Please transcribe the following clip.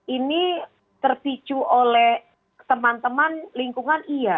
ini terpicu oleh teman teman lingkungan iya